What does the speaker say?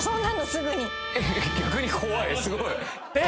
すごい。